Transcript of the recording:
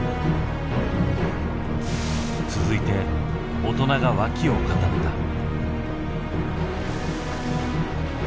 続いて大人が脇を固めた。